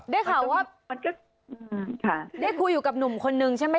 ได้ข่าวว่ามันก็ได้คุยอยู่กับหนุ่มคนนึงใช่ไหม